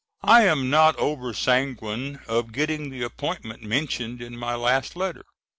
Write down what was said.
I am not over sanguine of getting the appointment mentioned in my last letter.